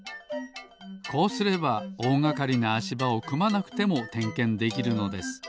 こうすればおおがかりなあしばをくまなくてもてんけんできるのです。